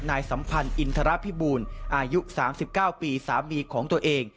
นายสัมพันธ์อินทรพิบูลอายุสามสิบเก้าปีสามีของตัวเอง